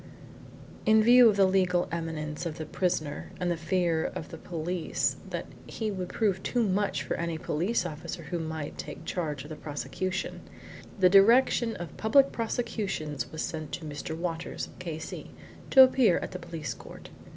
In view of the legal eminence of the prisoner and the fear of the police that he would prove too much for any police officer who might take charge of the prosecution, the Direction of Public Prosecutions sent Mr. Walters, K.C., to appear at the police court.